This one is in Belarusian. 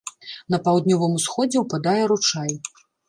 На паўднёвым усходзе ўпадае ручай.